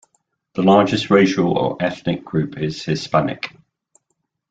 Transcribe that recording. The largest racial or ethnic group is Hispanic.